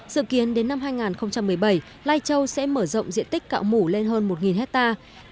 dự kiến đến năm hai nghìn một mươi bảy lai châu sẽ mở rộng diện tích cạo mủ lên hơn một hectare